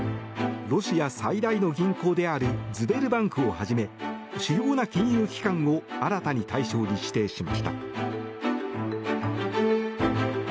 ロシア最大の銀行であるズベルバンクをはじめ主要な金融機関を新たに対象に指定しました。